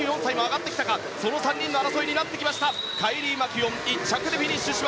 カイリー・マキュオン１着でフィニッシュ。